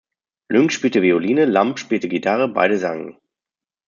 Lynx spielte Violine, Lamb spielte Gitarre, beide sangen.